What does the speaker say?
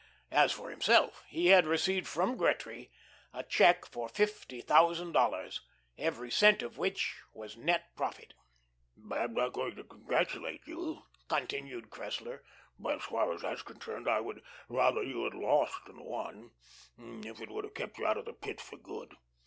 As for himself, he had received from Gretry a check for fifty thousand dollars, every cent of which was net profit. "I'm not going to congratulate you," continued Cressler. "As far as that's concerned, I would rather you had lost than won if it would have kept you out of the Pit for good.